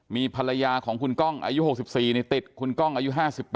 มีภรรยาของคุณก้องอายุ๖๔ติดคุณก้องอายุ๕๘